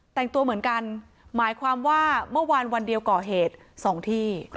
แต่งตัวเหมือนกันหมายความว่าเมื่อวานวันเดียวก่อเหตุ๒ที่